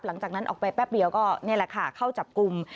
หลังจากนั้นออกไปแป๊บเดียวก็นี่แหละค่ะเข้าจับกลุ่ม